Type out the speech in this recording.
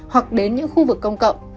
hoặc đến những khu vực công cộng